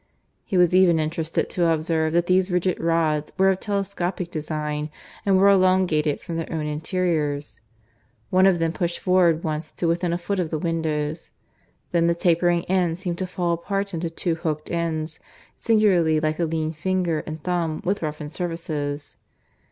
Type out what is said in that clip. (He was even interested to observe that these rigid rods were of telescopic design, and were elongated from their own interiors. One of them pushed forward once to within a foot of the windows; then the tapering end seemed to fall apart into two hooked ends, singularly like a lean finger and thumb with roughened surfaces.